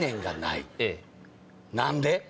何で？